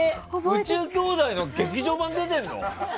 「宇宙兄弟」の劇場版出てるの？